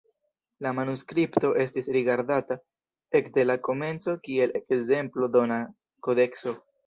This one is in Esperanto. La manuskripto estis rigardata ekde la komenco kiel ekzemplo-dona kodekso.